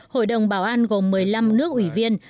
hội đồng bảo an gồm một mươi năm nước ủy viên